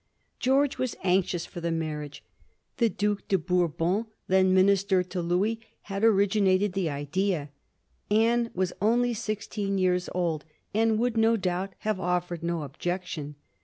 George was anxious for the marriage ; the Dae de Bourbon, then minister to Louis, had originated the idea; Anne was only sixteen years old, and would no doubt have offered no objection.